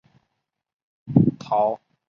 桃花岛的武功与其十分相似。